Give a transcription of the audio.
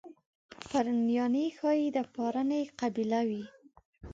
پرنیاني ښایي د پارني قبیله وي.